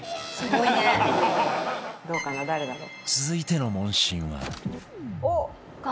続いての問診は